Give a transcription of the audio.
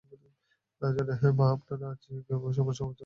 তা ছাড়া হেম আপনার আহ্নিক সম্বন্ধে আমার কাছে কোনো আপত্তি প্রকাশ করে নাই।